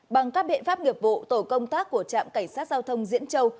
bằng các biện pháp nghiệp vụ tổ công tác của trạm cảnh sát giao thông diễn châu